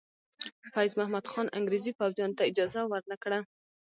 فیض محمد خان انګریزي پوځیانو ته اجازه ور نه کړه.